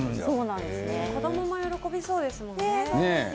子どもも喜びそうですね。